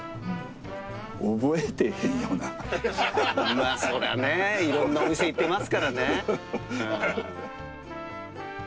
まぁそれはねいろんなお店行ってますからね。